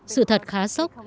sự thật khá sốc